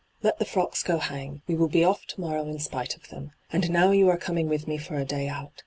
Let the frocks go hang ; we will be off to morrow in spite of them. And now you are coming with me for a day out.